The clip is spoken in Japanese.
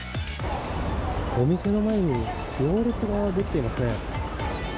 お店の前に行列が出来ていますね。